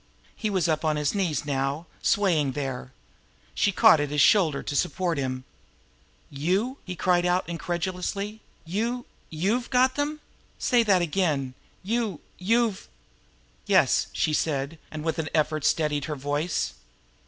He was up on his knees now, swaying there. She caught at his shoulder to support him. "You!" he cried out incredulously. "You you've got them? Say that again! You you've " "Yes," she said, and with an effort steadied her voice.